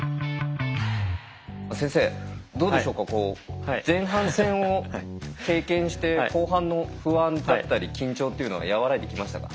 先生どうでしょうか前半戦を経験して後半の不安だったり緊張っていうのは和らいできましたか？